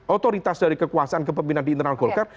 otoritas dari kekuasaan kepemimpinan di internal golkar